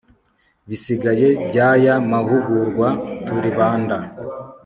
bisigaye by'aya mahugurwa turibanda